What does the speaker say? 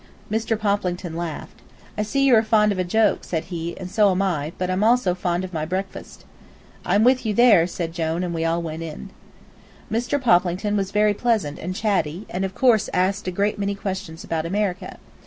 Mr. Poplington laughed. "I see you are fond of a joke," said he, "and so am I, but I'm also fond of my breakfast." "I'm with you there," said Jone, and we all went in. Mr. Poplington was very pleasant and chatty, and of course asked a great many questions about America.